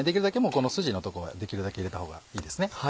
筋の所はできるだけ入れた方がいいですね。